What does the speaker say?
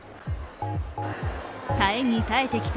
耐えに耐えてきた、